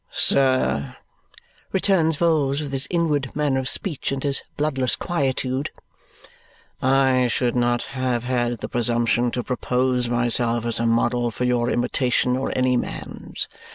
"Sir," returns Vholes with his inward manner of speech and his bloodless quietude, "I should not have had the presumption to propose myself as a model for your imitation or any man's.